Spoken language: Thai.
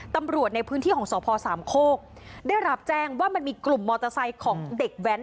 ตำรวจในพื้นที่ของสพสามโคกได้รับแจ้งว่ามันมีกลุ่มมอเตอร์ไซค์ของเด็กแว้น